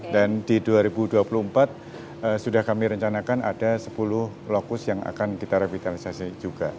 dan di dua ribu dua puluh empat sudah kami rencanakan ada sepuluh lokus yang akan kita revitalisasi juga